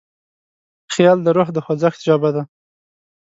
خیال د روح د خوځښت ژبه ده.